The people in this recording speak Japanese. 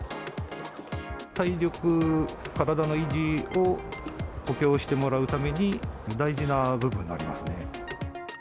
体力、体の維持を補強してもらうために、大事な部分になりますね。